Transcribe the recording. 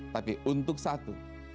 tapi untuk satu